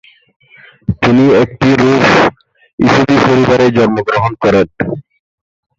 তিনি একটি রুশ ইহুদি পরিবারে জন্মগ্রহণ করেন।